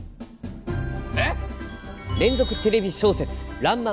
えっ！？